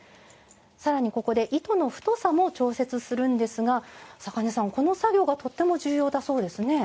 さらに、ここで糸の太さも調節するんですが坂根さん、この作業がとっても重要だそうですね。